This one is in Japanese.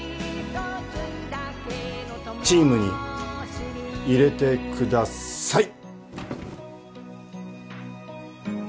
チームに入れてください！